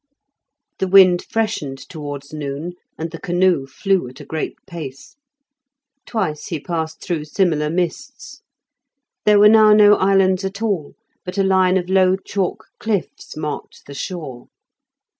The wind freshened towards noon, and the canoe flew at a great pace. Twice he passed through similar mists. There were now no islands at all, but a line of low chalk cliffs marked the shore.